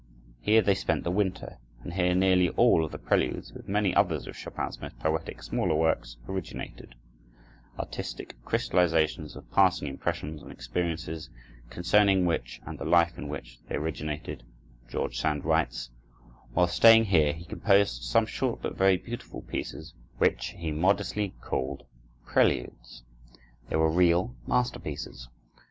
Here they spent the winter, and here nearly all of the preludes, with many others of Chopin's most poetic smaller works, originated—artistic crystallizations of passing impressions and experiences, concerning which and the life in which they originated, George Sand writes: "While staying here he composed some short but very beautiful pieces which he modestly entitled preludes. They were real masterpieces.